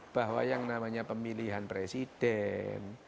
bahwa yang namanya pemilihan presiden